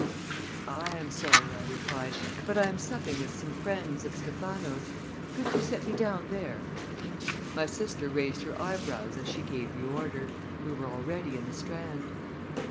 "I am sorry," I replied; "but I am supping with some friends at Stephano's. Could you set me down there?" My sister raised her eyebrows as she gave the order. We were already in the Strand.